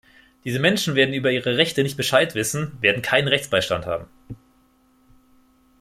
Diese Menschen werden über ihre Rechte nicht Bescheid wissen, werden keinen Rechtsbeistand haben.